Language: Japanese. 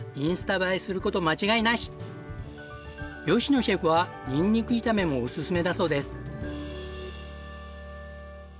野シェフはニンニク炒めもおすすめだそうです。